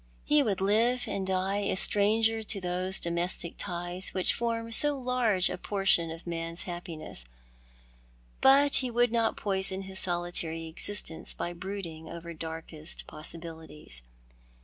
He would live and die a stranger to those domestic ties which form so large a portion of man's happiness ; but he would not poison his solitary existence by brooding over darkest pos sibilities.